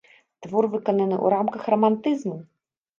Твор выканана ў рамках рамантызму.